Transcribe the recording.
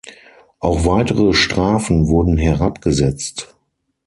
Auch weitere Strafen wurden herabgesetzt.